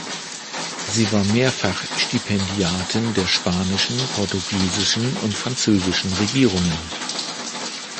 Sie war mehrfach Stipendiatin der spanischen, portugiesischen und französischen Regierungen.